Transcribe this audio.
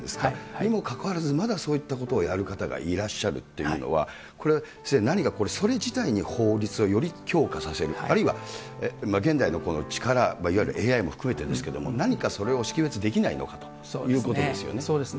にもかかわらず、まだそういったことをやる方がいらっしゃるというのは、これは先生、何かそれ自体の法律をより強化させる、あるいは現代の力、ＡＩも含めてですけれども、何かそれを識別できないのかということですそうですね。